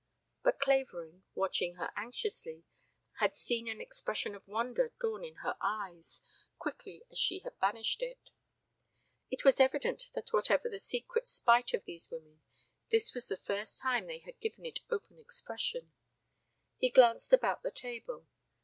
But Clavering, watching her anxiously, had seen an expression of wonder dawn in her eyes, quickly as she had banished it. It was evident that whatever the secret spite of these women, this was the first time they had given it open expression. He glanced about the table.